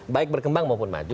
baik berkembang maupun maju